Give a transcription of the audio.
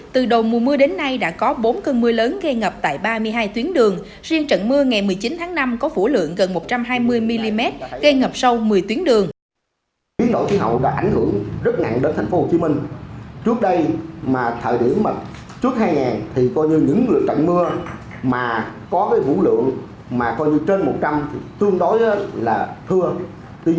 từ đầu mùa mưa đến nay đã có bốn cơn mưa lớn gây ngập tại ba mươi hai tuyến đường